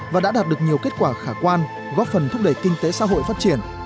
và đã đạt được nhiều kết quả khả quan góp phần thúc đẩy kinh tế xã hội phát triển